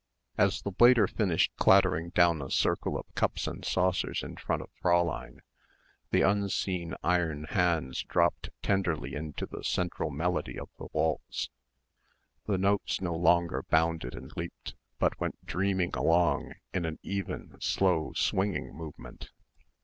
As the waiter finished clattering down a circle of cups and saucers in front of Fräulein, the unseen iron hands dropped tenderly into the central melody of the waltz. The notes no longer bounded and leaped but went dreaming along in an even slow swinging movement.